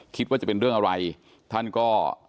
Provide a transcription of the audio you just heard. คิดว่าจะเป็นเรื่องอะไรท่านก็